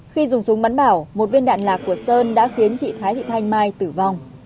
khi dùng súng bắn bảo một viên đạn lạc của sơn đã khiến chị thái thị thanh mai tử vong